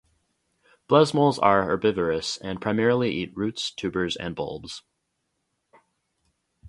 Blesmols are herbivorous, and primarily eat roots, tubers, and bulbs.